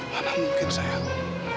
berikan kalung itu sama kamu